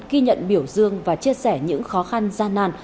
ghi nhận biểu dương và chia sẻ những khó khăn gian nàn